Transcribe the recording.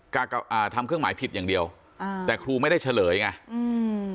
อ่าทำเครื่องหมายผิดอย่างเดียวอ่าแต่ครูไม่ได้เฉลยไงอืม